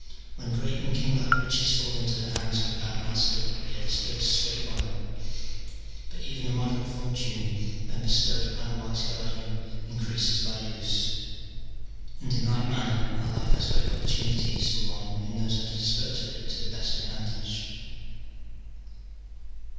When great and kinglike riches fall into the hands of a bad master, they are dispersed straightway, but even a moderate fortune, when bestowed upon a wise guardian, increases by use : and in like manner our life has great opportunities for one who knows how to dispose of it to the best advantage.